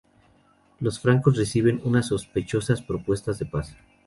Los francos reciben unas sospechosas propuestas de paz.